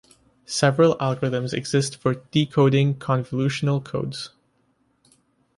Several algorithms exist for decoding convolutional codes.